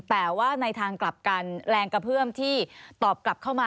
แต่ว่าในทางกลับกันแรงกระเพื่อมที่ตอบกลับเข้ามา